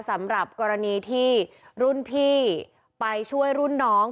สำหรับกรณีที่รุ่นพี่ไปช่วยรุ่นน้อง